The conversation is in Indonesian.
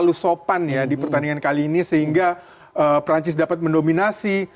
terlalu sopan ya di pertandingan kali ini sehingga perancis dapat mendominasi